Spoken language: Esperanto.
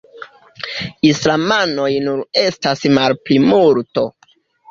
Islamanoj nur estas malplimulto.